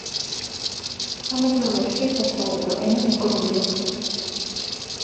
სამეგრელოში სასაუბრო ენა მეგრულია